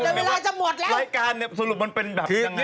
รายการเนี่ยสรุปมันเป็นแบบยังไง